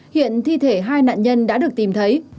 hiện thi thể hai nạn nhân đã được tìm thấy